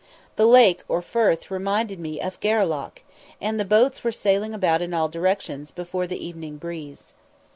The lake or firth reminded me of the Gareloch, and boats were sailing about in all directions before the evening breeze.